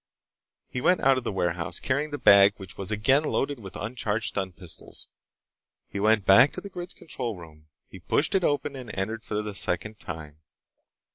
He went out of the warehouse, carrying the bag which was again loaded with uncharged stun pistols. He went back to the grid's control room. He pushed it open and entered for the second time.